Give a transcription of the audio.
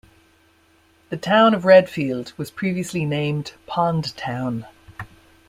The town of Readfield was previously named Pond Town.